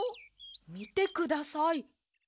みてください。